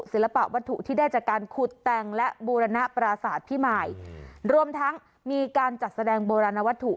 ศิลปะวัตถุที่ได้จากการขุดแต่งและบูรณปราศาสตร์พิมายรวมทั้งมีการจัดแสดงโบราณวัตถุ